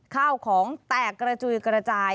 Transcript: ข้าวของแตกกระจุยกระจาย